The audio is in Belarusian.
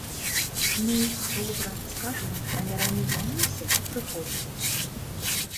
Ну, добра, скажу, але раней памыйся і прыходзь.